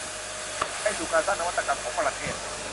ไปสู่การสร้างนวัตกรรมของประเทศ